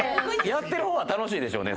やってる方は楽しいでしょうね